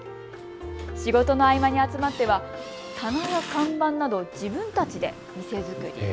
仕事の合間に集まっては棚や看板など自分たちで店作り。